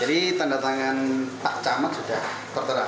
jadi tanda tangan pak camat sudah tertera